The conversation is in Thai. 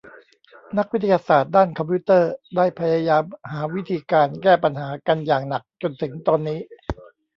นักวิทยาศาสตร์ด้านคอมพิวเตอร์ได้พยายามหาวิธีการแก้ปัญหากันอย่างหนักจนถึงตอนนี้